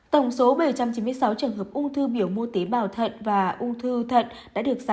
tổng số bảy trăm chín mươi sáu trường hợp ung thư biểu mô tế bào thận và ung thư thận đã được giảm